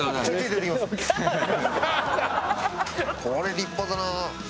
これ立派だな。